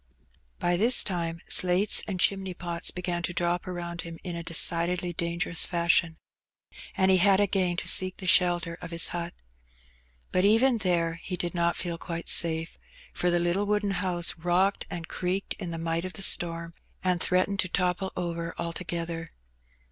By this time slates and chimney pots began to drop around him in a decidedly dangerous fashion, and he had again to seek the shelter of his hut. But even there he did not feel quite safe, for the little wooden house rocked and creaked in the might of the storm, and threatened to topple over altogether.